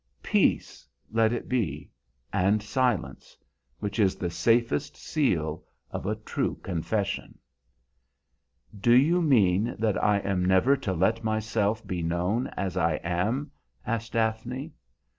Peace let it be, and silence, which is the safest seal of a true confession." "Do you mean that I am never to let myself be known as I am?" asked Daphne.